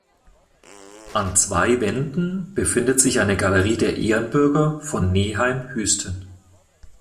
An zwei Wänden befindet sich eine Galerie der Ehrenbürger von Neheim-Hüsten.